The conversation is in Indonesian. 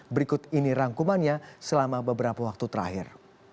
berikut ini rangkumannya selama beberapa waktu terakhir